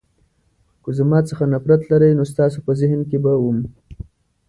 که زما څخه نفرت لرئ نو ستاسو په ذهن کې به وم.